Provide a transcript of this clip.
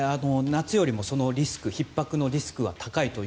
夏よりもそのリスクひっ迫のリスクは高いと